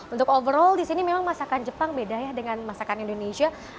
untuk overall di sini memang masakan jepang beda ya dengan masakan indonesia